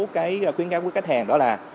khuyến cáo của khách hàng đó là